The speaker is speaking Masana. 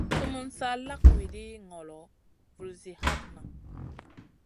Sumun sa lak wiɗi ŋolo, vulzi hatna.